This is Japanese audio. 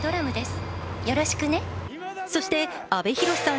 そして阿部寛さん